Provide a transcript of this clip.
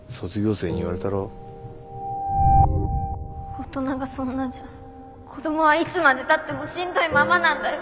大人がそんなじゃ子供はいつまでたってもしんどいままなんだよ。